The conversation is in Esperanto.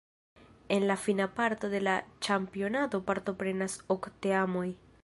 En la fina parto de la ĉampionado partoprenas ok teamoj.